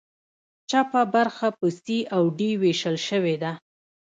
چپه برخه په سي او ډي ویشل شوې ده.